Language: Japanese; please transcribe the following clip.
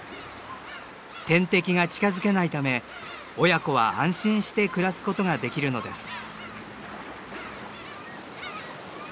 天敵が近づけないため親子は安心して暮らすことができるのです。